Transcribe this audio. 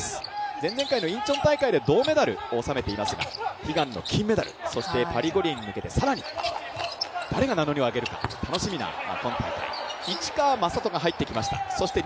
前々回のインチョン大会では銅メダルを収めていますが、悲願の金メダル、そしてパリ五輪へ向けて、更に誰が名乗りを上げるか楽しみな今大会。